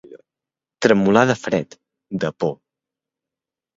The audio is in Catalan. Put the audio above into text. Tremolar de fred, de por.